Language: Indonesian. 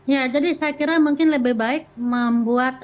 ya jadi saya kira mungkin lebih baik membuat